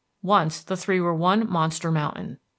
Once the three were one monster mountain.